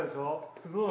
すごい。